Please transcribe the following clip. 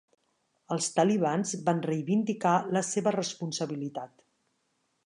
Els talibans van reivindicar la seva responsabilitat.